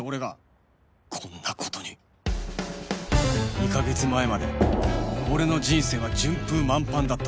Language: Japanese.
２カ月前まで俺の人生は順風満帆だった